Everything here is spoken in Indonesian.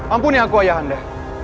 ampuni aku ayah anda